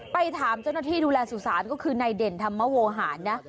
ไปถามเจ้าหน้าที่ดูแลสุสานก็คือนายเด่นธรรมโวหารนะ